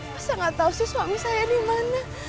masa gak tau sih suami saya ini mana